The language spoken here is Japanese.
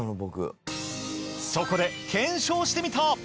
そこで検証してみた。